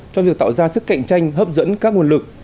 cho việc tạo ra sức cạnh tranh hấp dẫn các nguồn lực